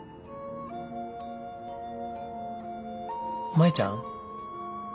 舞ちゃん。